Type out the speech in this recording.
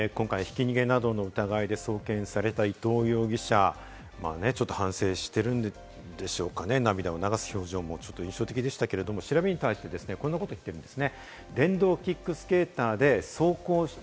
今回ひき逃げなどの疑いで送検された伊藤容疑者、反省しているんでしょうかね、涙を流す表情も印象的でしたけれども、調べに対して、こんなことを言っています。